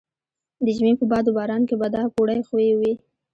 د ژمي په باد و باران کې به دا پوړۍ ښویې وې.